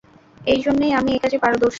এজন্যই আমি একাজে পারদর্শী।